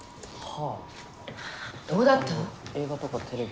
どうだった？